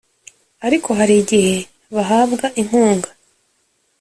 ariko hari igihe bahabwa inkunga